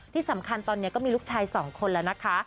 ที่สำคัญตอนนี้ก็มีลูกชาย๒คนแล้วนะคะ